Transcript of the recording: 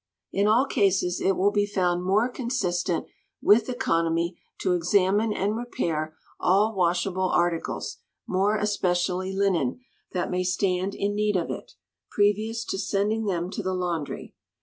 In all cases it will he found more consistent with economy to examine and repair all washable articles, more especially linen, that may stand in need of it, previous to sending them to the laundry.